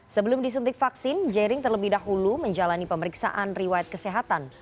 sebelum disuntik vaksin jering terlebih dahulu menjalani pemeriksaan riwayat kesehatan